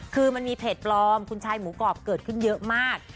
คือมันมีเพจปลอมคุณชายหมูกรอบเกิดขึ้นเยอะมาก